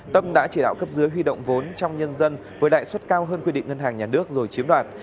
tâm đã chỉ đạo cấp dưới huy động vốn trong nhân dân với lãi suất cao hơn quy định ngân hàng nhà nước rồi chiếm đoạt